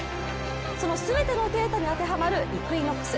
その全てのデータに当てはまるイクイノックス。